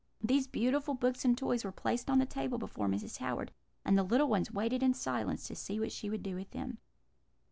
These beautiful books and toys were placed on the table before Mrs. Howard, and the little ones waited in silence to see what she would do with them.